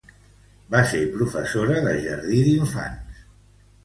Va ser professora de jardí d'infants.